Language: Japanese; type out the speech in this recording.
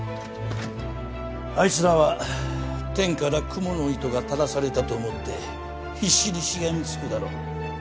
あいつらは天からクモの糸が垂らされたと思って必死にしがみつくだろう。